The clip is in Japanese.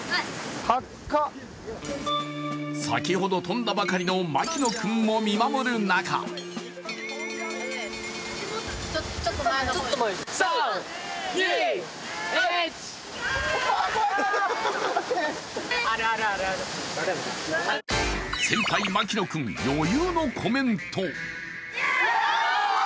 先ほど飛んだばかりの牧野君も見守る中先輩・牧野君余裕のコメント。